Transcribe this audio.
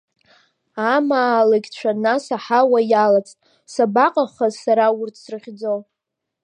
Амаалықьцәа нас аҳауа иалаӡт, сабаҟахыз сара урҭ срыхьӡо!